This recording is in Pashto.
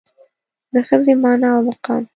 د ښځې مانا او مقام